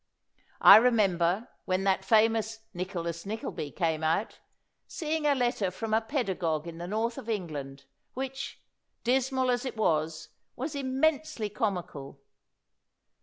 I remember, when that famous Nicholas Nickleby" came out, seeing a letter from a pedagog in the north of England, which, dis mal as it was, was immensely comical.